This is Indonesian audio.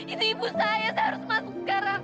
itu ibu saya saya harus masuk sekarang